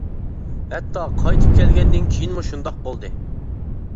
ھەتتا قايتىپ كەلگەندىن كېيىنمۇ شۇنداق بولدى.